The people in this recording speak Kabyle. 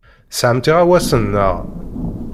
Tesɛamt iɣawasen, naɣ?